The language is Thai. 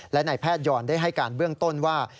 และนายแพทยอนได้ให้การเบื้องต้นว่า